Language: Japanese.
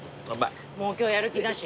もう今日やる気なし。